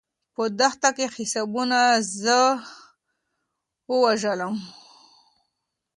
په دښته کې حسابونو زه ووژلم.